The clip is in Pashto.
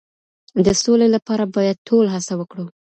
د سولې لپاره باید ټول هڅه وکړو.